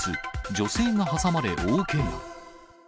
女性が挟まれ大けが。